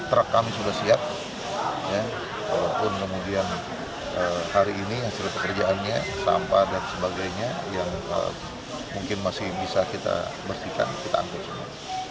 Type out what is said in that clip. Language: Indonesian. truk kami sudah siap walaupun kemudian hari ini hasil pekerjaannya sampah dan sebagainya yang mungkin masih bisa kita bersihkan kita angkut semua